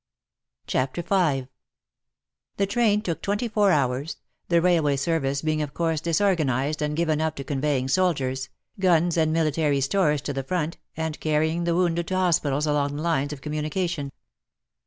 CHAPTER V The train took twenty four hours, the railway service being of course disorganized and given up to conveying soldiers, guns and military stores to the front, and carrying the wounded to hospitals along the lines of communication.